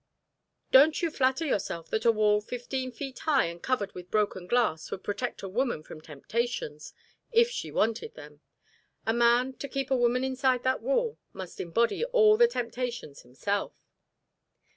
"Don't you flatter yourself that a wall fifteen feet high, and covered with broken glass, would protect a woman from temptations, if she wanted them. A man, to keep a woman inside that wall, must embody all the temptations himself."